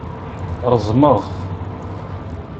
Reẓmeɣ-t.